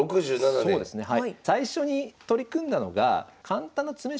そうですねはい。